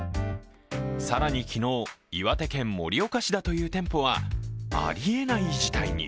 更に昨日、岩手県盛岡市だという店舗はありえない事態に。